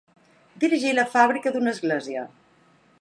Dirigir la fàbrica d'una església.